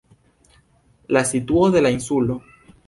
La situo de la insulo.